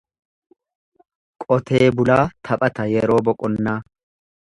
Qotee bulaa taphata yeroo boqonnaa.